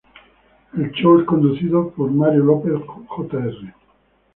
El show es conducido por Mario López Jr.